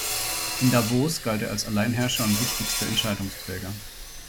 In Davos galt er als «Alleinherrscher» und wichtigster Entscheidungsträger.